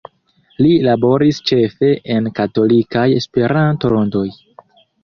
Li laboris ĉefe en katolikaj Esperanto-rondoj.